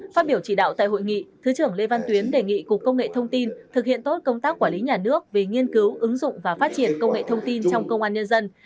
phát biểu chỉ đạo tại hội nghị thứ trưởng lê văn tuyến đề nghị cục công nghệ thông tin thực hiện tốt công tác quản lý nhà nước về nghiên cứu ứng dụng và phát triển công nghệ thông tin trong công an nhân dân